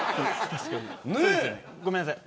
ごめんなさい。